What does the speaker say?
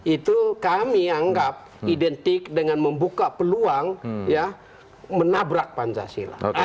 itu kami anggap identik dengan membuka peluang menabrak pancasila